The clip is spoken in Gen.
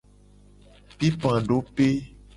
Pipadope.